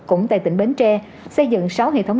cũng tại tỉnh bến tre xây dựng sáu hệ thống